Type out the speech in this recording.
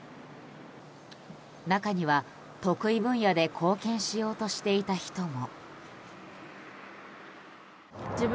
中には得意分野で貢献しようとしていた人も。